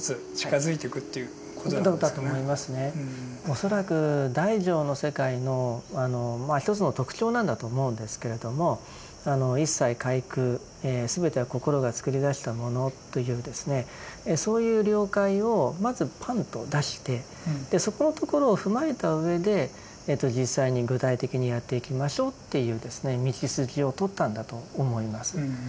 恐らく大乗の世界のまあ一つの特徴なんだと思うんですけれどもそういう了解をまずパンと出してそこのところを踏まえたうえで実際に具体的にやっていきましょうっていう道筋をとったんだと思います。